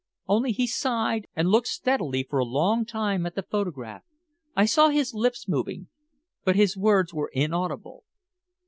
Only he sighed, and looked steadily for a long time at the photograph. I saw his lips moving, but his words were inaudible."